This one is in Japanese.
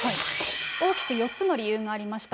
大きく４つの理由がありました。